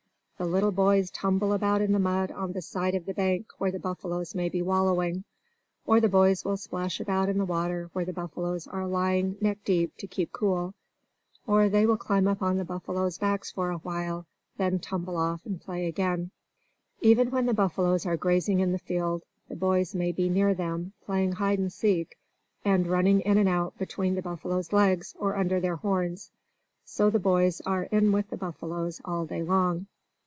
The little boys tumble about in the mud on the side of the bank where the buffaloes may be wallowing. Or the boys will splash about in the water where the buffaloes are lying neck deep to keep cool. Or they will climb up on the buffaloes' backs for a while, then tumble off and play again. Even when the buffaloes are grazing in the field, the boys may be near them, playing hide and seek, and running in and out between the buffaloes' legs, or under their horns. So the boys are with the buffaloes all day long.